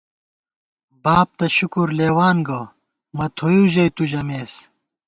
باب تہ شکر لېوان گہ ، مہ تھوئیؤ ژَئی تُو ژَمېس